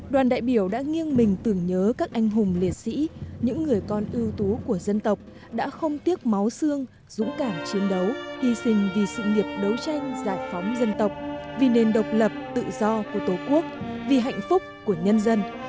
đoàn đại biểu đã nghiêng mình tưởng nhớ các anh hùng liệt sĩ những người con ưu tú của dân tộc đã không tiếc máu xương dũng cảm chiến đấu hy sinh vì sự nghiệp đấu tranh giải phóng dân tộc vì nền độc lập tự do của tổ quốc vì hạnh phúc của nhân dân